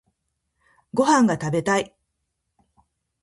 ご飯が食べたい